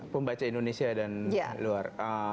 pembaca indonesia dan luar